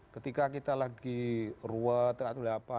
ketika kita lagi ruwet atau apa